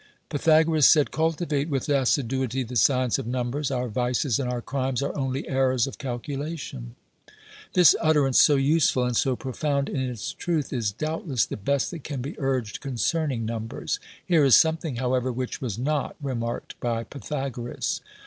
Pythagoras said: "Cultivate with assiduity the science of numbers ; our vices and our crimes are only errors of calculation." This utterance, so useful and so profound in its truth, is doubtless the best that can be urged concerning numbers. Here is something, however, which was not remarked by Pythagoras.